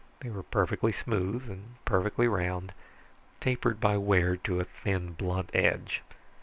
They were perfectly smooth and perfectly round, tapered by wear to a thin blunt edge.